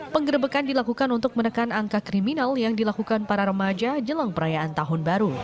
penggerbekan dilakukan untuk menekan angka kriminal yang dilakukan para remaja jelang perayaan tahun baru